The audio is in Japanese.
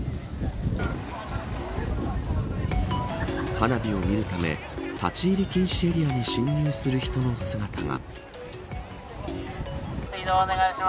花火を見るため立ち入り禁止エリアに侵入する人の姿が。